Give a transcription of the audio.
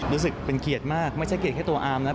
รู้สึกเป็นเกียรติมากไม่ใช่เกลียดแค่ตัวอาร์มนะ